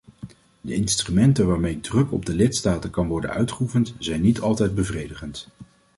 De instrumenten waarmee druk op de lidstaten kan worden uitgeoefend zijn niet altijd bevredigend.